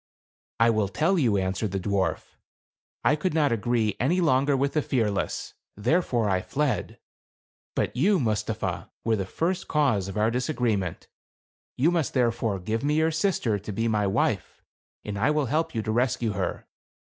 "I will tell you," answered the dwarf. "I could not agree any longer with the Fearless, "Fie DwiT P pecogmze^ fdvsta.pkfc.. r*<\ therefore, I fled ; but you, Mustapha, were the first cause of our disagree ment ; you must there fore give me your sister to be my wife, and I will help you to rescue her.